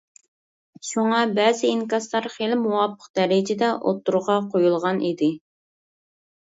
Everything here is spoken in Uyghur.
شۇڭا بەزى ئىنكاسلار خىلى مۇۋاپىق دەرىجىدە ئۇتتۇرغا قۇيۇلغان ئىدى.